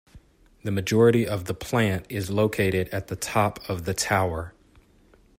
The majority of the plant is located at the top of the tower.